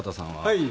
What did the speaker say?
はい。